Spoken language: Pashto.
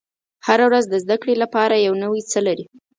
• هره ورځ د زده کړې لپاره یو نوی څه لري.